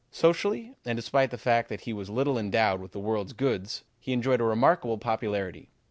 Socially, and despite the fact that he was little endowed with this world's goods, he enjoyed a remarkable popularity.